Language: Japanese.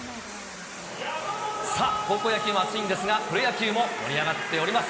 さあ、高校野球も熱いんですが、プロ野球も盛り上がっております。